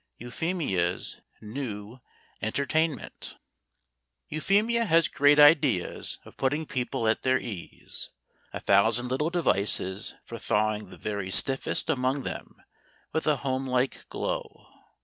EUPHEMIA'S NEW ENTERTAINMENT Euphemia has great ideas of putting people at their ease, a thousand little devices for thawing the very stiffest among them with a home like glow.